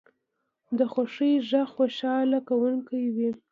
د خوښۍ غږ خوشحاله کوونکی وي